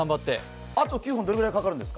あとどれくらいかかるんですか？